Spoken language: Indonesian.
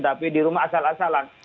tapi di rumah asal asalan